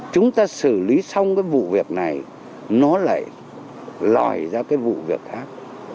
chúng ta xử lý xong cái vụ việc này nó lại lòi ra cái vụ việc khác